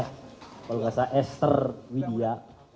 kepala kepala ester widya